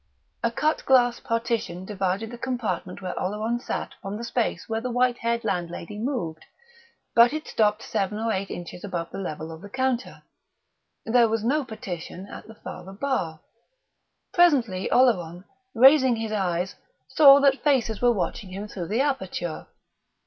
A cut glass partition divided the compartment where Oleron sat from the space where the white haired landlady moved; but it stopped seven or eight inches above the level of the counter. There was no partition at the farther bar. Presently Oleron, raising his eyes, saw that faces were watching him through the aperture.